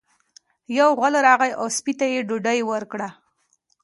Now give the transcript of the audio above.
یو غل راغی او سپي ته یې ډوډۍ ورکړه.